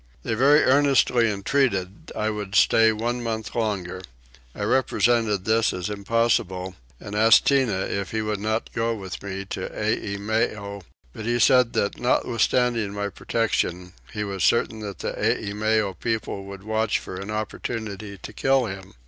They very earnestly entreated I would stay one month longer. I represented this as impossible and asked Tinah if he would not go with me to Eimeo; but he said that notwithstanding my protection he was certain the Eimeo people would watch for an opportunity to kill him.